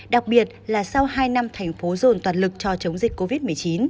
đặc biệt là sau hai năm thành phố dồn toàn lực cho chống dịch covid một mươi chín